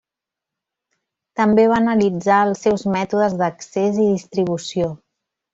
També va analitzar els seus mètodes d'accés i distribució.